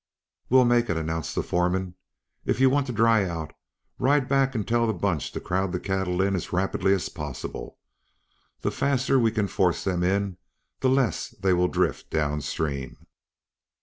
"We'll make it," announced the foreman. "If you want to dry out, ride back and tell the bunch to crowd the cattle in as rapidly as possible. The faster we can force them in the less they will drift down stream."